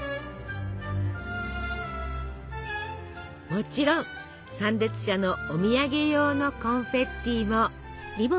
もちろん参列者のお土産用のコンフェッティも。